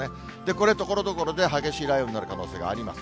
これ、ところどころで激しい雷雨になる可能性があります。